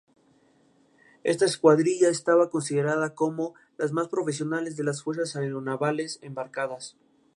Esta escuadrilla estaba considerada como la más profesional de las fuerzas aeronavales embarcadas.